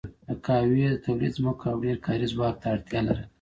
د قهوې تولید ځمکو او ډېر کاري ځواک ته اړتیا لرله.